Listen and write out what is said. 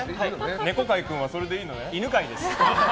猫飼君はそれでいいのね。